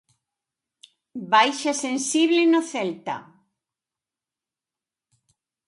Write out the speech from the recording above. Baixa sensible no Celta.